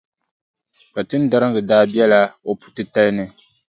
Kpatindariga daa bela o puʼ titali ni.